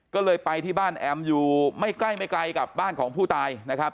ก็เลยไปที่บ้านแอมอยู่ไม่ใกล้ไม่ไกลกับบ้านของผู้ตายนะครับ